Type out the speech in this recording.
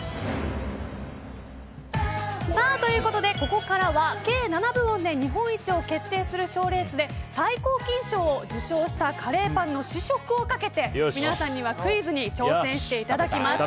ここからは計７部門で日本一を決定する賞レースで最高金賞を受賞したカレーパンの試食をかけて皆さんにはクイズに挑戦していただきます。